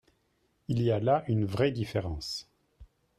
Il y a là une vraie différence.